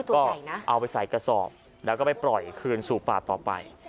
ก็เอาไปใส่กระสอบแล้วก็ไปปล่อยคืนสู่ป่าต่อไป